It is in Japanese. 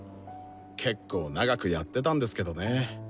けっこう長くやってたんですけどね。